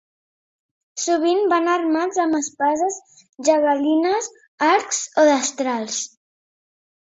Sovint van armats amb espases, javelines, arcs o destrals.